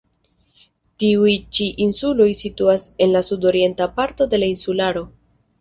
Tiuj ĉi insuloj situas en la sudorienta parto de la insularo.